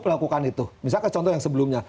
melakukan itu misalkan contoh yang sebelumnya